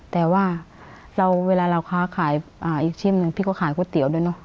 แต่ว่าเวลาเราค้าขายอีกชิ้นหนึ่งพี่ก็ขายก๋วยเตี๋ยวด้วยเนอะ